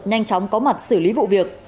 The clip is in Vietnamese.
nhanh chóng có mặt xử lý vụ việc